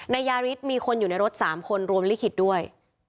นายยาริสมีคนอยู่ในรถ๓คนรวมลิขิตด้วย